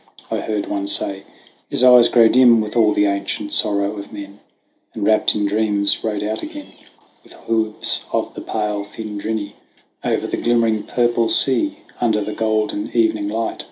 I heard one say "his eyes grow dim With all the ancient sorrow of men;" And wrapped in dreams rode out again With hoofs of the pale fmdrinny Over the glimmering purple sea : Under the golden evening light.